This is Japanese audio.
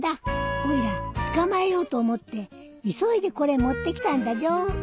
おいら捕まえようと思って急いでこれ持ってきたんだじょ。